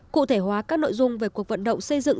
cụ thể hóa các nội dung về cuộc vận động xây dựng